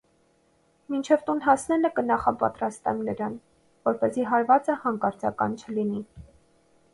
մինչև տուն հասնելը կնախապատրաստեմ նրան, որպեսզի հարվածը հանկարծական չլինի: